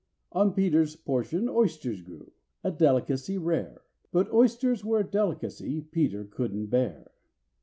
On PETER'S portion oysters grew—a delicacy rare, But oysters were a delicacy PETER couldn't bear.